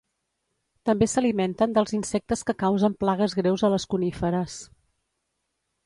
També s'alimenten dels insectes que causen plagues greus a les coníferes